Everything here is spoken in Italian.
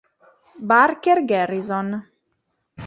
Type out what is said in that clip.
Barker Garrison.